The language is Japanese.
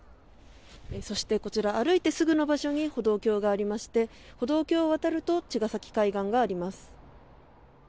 そして、歩いてすぐの場所に歩道橋がありまして歩道橋を渡ると茅ヶ崎海岸があります。